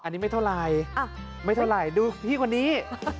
อันนี้ไม่เท่าไหร่ไม่เท่าไหร่ดูพี่คนนี้